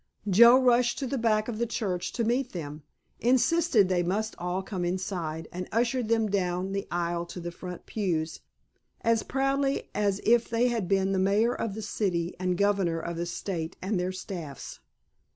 Joe rushed to the back of the church to meet them, insisted that they must all come inside, and ushered them down the aisle to the front pews, as proudly as if they had been the mayor of the city and governor of the State and their staffs.